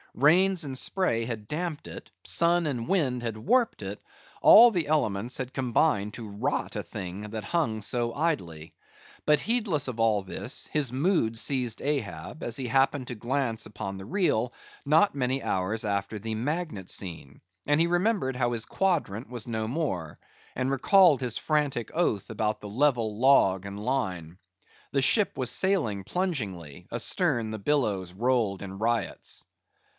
Rains and spray had damped it; sun and wind had warped it; all the elements had combined to rot a thing that hung so idly. But heedless of all this, his mood seized Ahab, as he happened to glance upon the reel, not many hours after the magnet scene, and he remembered how his quadrant was no more, and recalled his frantic oath about the level log and line. The ship was sailing plungingly; astern the billows rolled in riots.